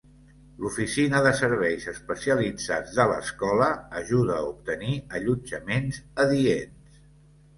L'oficina de Serveis Especialitzats de l'escola ajuda a obtenir allotjaments adients.